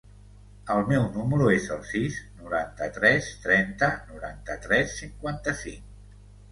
El meu número es el sis, noranta-tres, trenta, noranta-tres, cinquanta-cinc.